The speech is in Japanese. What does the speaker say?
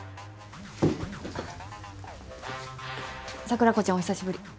桜子ちゃんお久しぶり。